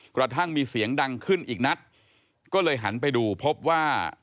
กระทั่งมีเสียงดังขึ้นอีกนัดก็เลยหันไปดูพบว่า